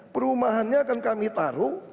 perumahannya akan kami taruh